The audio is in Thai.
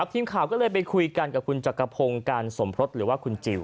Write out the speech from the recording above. ทีมข่าวก็เลยไปคุยกันกับคุณจักรพงศ์การสมพศหรือว่าคุณจิล